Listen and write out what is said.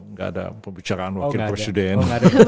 nggak ada pembicaraan wakil presiden